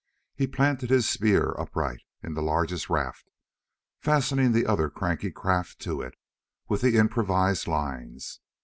He planted his spear upright in the largest raft, fastening the other cranky craft to it with the improvised lines.